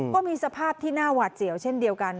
ก็มีสภาพที่น่าหวาดเสียวเช่นเดียวกัน